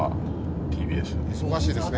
「忙しいですね」